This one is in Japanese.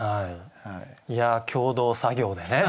いや共同作業でね。